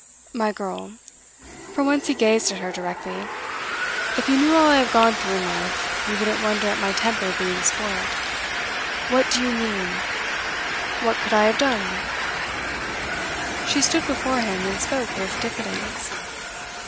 'My girl,' for once he gazed at her directly, 'if you knew all I have gone through in life, you wouldn't wonder at my temper being spoilt. What do you mean? What could I have done?' She stood before him, and spoke with diffidence.